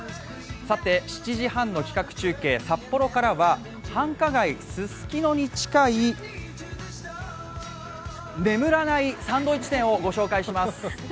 さて、７時半の企画中継、札幌からは繁華街ススキノに近い眠らないサンドイッチ店をご紹介します。